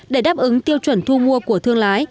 để đáp ứng tiêu chuẩn thu mua của thương lái